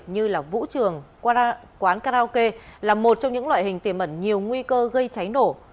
như vũ trường quán karaoke là một trong những loại hình tiềm ẩn nhiều nguy cơ gây cháy nổ